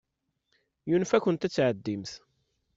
Yunef-akent ad tɛeddimt.